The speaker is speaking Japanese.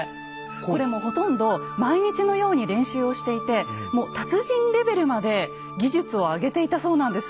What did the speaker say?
これもほとんど毎日のように練習をしていてもう達人レベルまで技術を上げていたそうなんです。